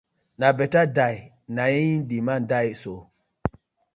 Na betta die na im di man die so.